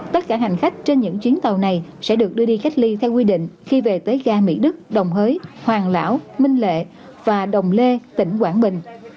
tất cả hành khách trên những chuyến tàu này sẽ được đưa đi cách ly theo quy định khi về tới ga mỹ đức đồng hới hoàng lão minh lệ và đồng lê tỉnh quảng bình